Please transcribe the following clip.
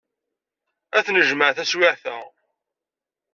Ad t-nejmeɛ taswiɛt-a.